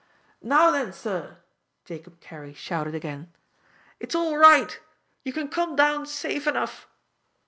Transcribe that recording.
"Now then, sir," Jacob Carey shouted again, "it's all right. You can come down safe enough."